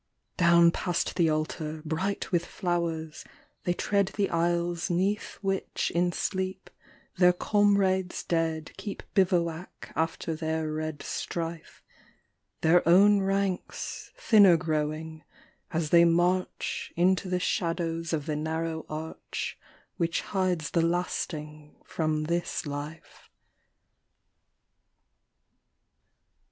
Down past the altar, bright with flowers, they tread The aisles 'neath which in sleep their comrades dead Keep bivouac after their red strife, Their own ranks thinner growing as they march Into the shadows of the narrow arch Which hides the lasting from this life.